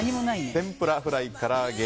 天ぷら、フライ、から揚げ